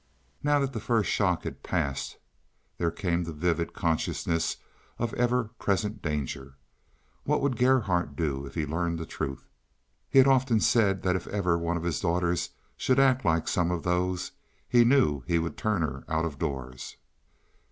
Now that the first shock had passed, there came the vivid consciousness of ever present danger. What would Gerhardt do if he learned the truth? He had often said that if ever one of his daughters should act like some of those he knew he would turn her out of doors.